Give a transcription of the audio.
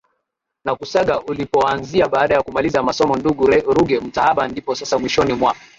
na Kusaga ulipoanzia baada ya kumaliza masomo Ndugu Ruge Mutahaba ndipo sasa Mwishoni mwa